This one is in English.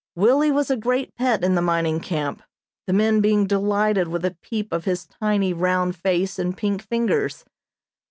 Willie was a great pet in the mining camp; the men being delighted with a peep of his tiny, round face and pink fingers.